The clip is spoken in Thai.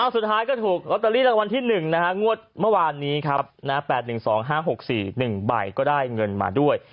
สุดท้ายก็ถูกลอตเตอรี่รางวัลที่๑งวดเมื่อวานนี้ครับ๘๑๒๕๖๔๑ใบก็ได้เงินมาด้วย